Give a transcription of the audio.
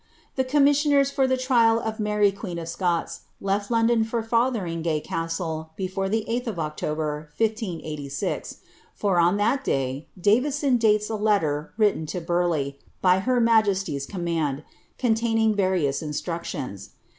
The commissioners for the trial of Mary, queen of Scots, left Lon don for Fotheringaye Castle before the 8th of October, 1586; for, on that day, Davison dates a letter written to Burleigh, by her majesty's command, containing various instructions.